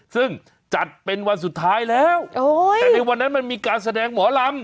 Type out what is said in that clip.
ซึ่งจัดเป็นวันสุดท้ายแล้วแต่ในวันนั้นมันมีการแสดงหมอลำ